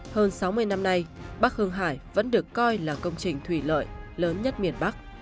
hơn sáu mươi năm nay bắc hương hải vẫn được coi là công trình thủy lợi lớn nhất miền bắc